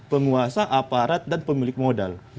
penguasa aparat dan pemilik modal